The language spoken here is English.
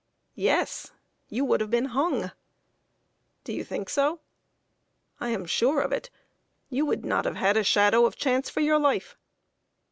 "Yes; you would have been hung!" "Do you think so?" "I am sure of it. You would not have had a shadow of chance for your life!"